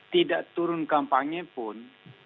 tidak turun kampangnya pun